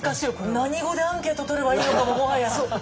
何語でアンケート取ればいいのかももはや。